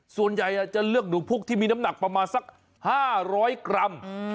ส่วนใหญ่จะเลือกหนูพุกที่มีน้ำหนักประมาณสัก๕๐๐กรัม